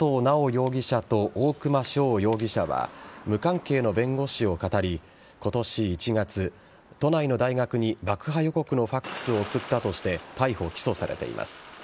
容疑者と大熊翔容疑者は無関係の弁護士をかたり今年１月都内の大学に爆破予告のファックスを送ったとして逮捕・起訴されています。